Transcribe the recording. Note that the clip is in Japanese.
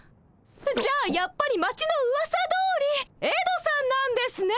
じゃあやっぱり町のうわさどおりエドさんなんですね。